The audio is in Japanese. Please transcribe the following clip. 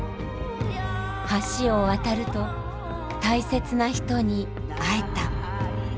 橋を渡ると大切な人に会えた。